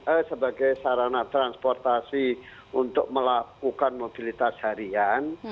e sebagai sarana transportasi untuk melakukan mobilitas harian